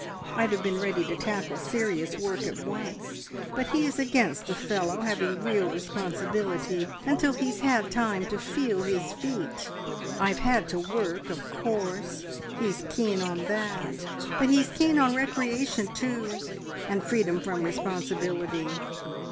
I'd have been ready to tackle serious work at once, but he is against a fellow having real responsibility until he's had time to feel his feet. I've had to work, of course he's keen on that; but he's keen on recreation, too, and freedom from responsibility.